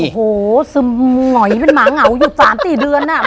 โอ้โหซึมหงอยเป็นหมาเหงาอยู่๓๔เดือนน่ะ